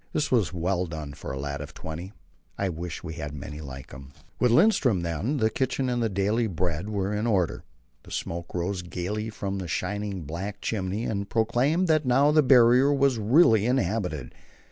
This was well done for a lad of twenty. I wish we had many like him. With Lindström, then, the kitchen and the daily bread were in order. The smoke rose gaily from the shining black chimney, and proclaimed that now the Barrier was really inhabited.